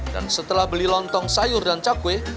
dan setelah beli lontong sayur dan cakwe